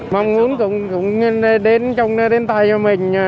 mong muốn cũng đến trong tay cho mình